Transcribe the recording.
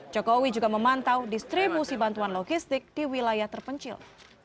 jokowi juga memantau distribusi bantuan logistik di wilayah terpencil